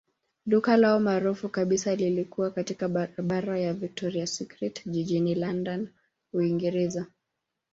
Duka lao maarufu kabisa lilikuwa katika barabara ya Victoria Street jijini London, Uingereza.